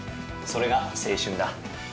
それが青春だ。